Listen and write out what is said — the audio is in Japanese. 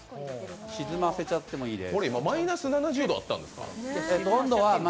沈ませちゃってもいいです。